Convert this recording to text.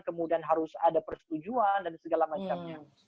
kemudian harus ada persetujuan dan segala macamnya